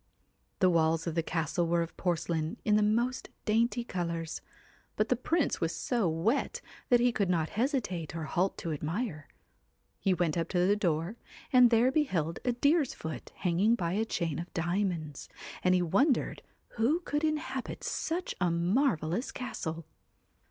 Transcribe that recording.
The walls of the castle were of porcelain in the most dainty colours; but the Prince was so wet that he could not hesitate or halt to admire; he went up to the door and there beheld a deer's foot hanging by a chain of diamonds, and he wondered who could inhabit such a marvellous castle.